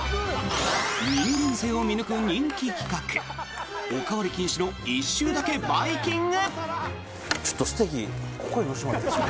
人間性を見抜く人気企画お代わり禁止の「一周だけバイキング！！」。